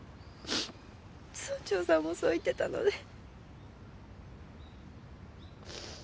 村長さんもそう言ってたので。